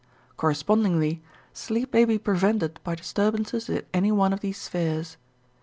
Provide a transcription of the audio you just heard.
Correspondingly sleep may be prevented by disturbances in any one of these spheres.